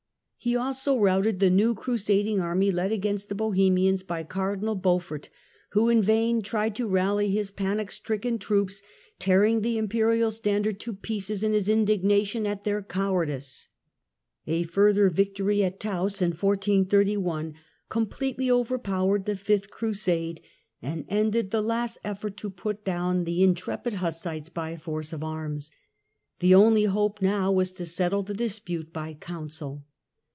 He also routed the new Crusading army led against the Bohemians by Cardinal Beaufort, who in vain tried to rally his panic Defeat of , T .,,,. Cardinal stricken troops, tearing the Imperial standard to pieces Beaufort, in his indignation at their cowardice. A further victory at Tauss in 1431 completely overpowered the fifth Crusade and ended the last effort to put down the in trepid Hussites by force of arms. The only hope now was to settle the dispute by a Council.